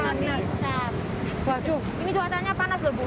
waduh ini cuacanya panas loh bu